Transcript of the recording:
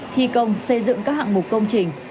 thi công xây dựng các hạng mục công trình